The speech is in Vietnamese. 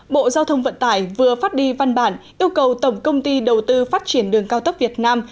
bộ giao thông vận tải vừa phát đi văn bản yêu cầu tổng công ty đầu tư phát triển đường cao tốc việt nam